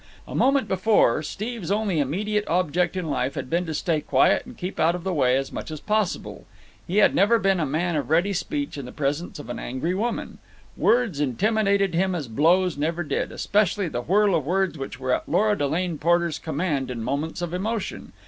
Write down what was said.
A moment before Steve's only immediate object in life had been to stay quiet and keep out of the way as much as possible. He had never been a man of ready speech in the presence of an angry woman; words intimidated him as blows never did, especially the whirl of words which were at Lora Delane Porter's command in moments of emotion.